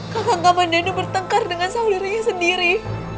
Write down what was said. kakang kamandano bertengkar dengan saulirinya sendiri